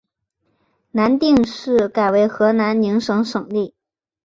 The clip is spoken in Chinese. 南定市改为河南宁省省莅。